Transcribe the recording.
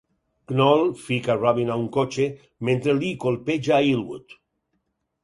Knoll fica Robyn a un cotxe mentre Lee colpeja a Elwood.